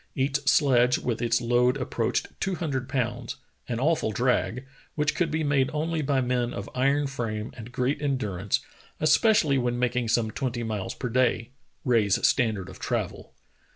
Each sledge with its load ap proached two hundred pounds, an awful drag, which could be made only by men of iron frame and great endurance, especially when making some twenty miles per day — Rae's standard of travel.